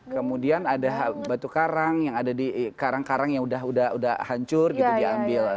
kemudian ada batu karang yang ada di karang karang yang udah hancur gitu diambil